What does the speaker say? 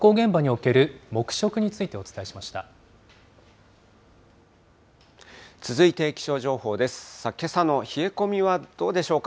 けさの冷え込みはどうでしょうか。